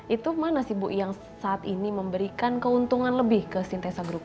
itu mana sih bu yang saat ini memberikan keuntungan lebih ke sintesa group